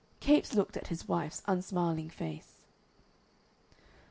Capes looked at his wife's unsmiling face.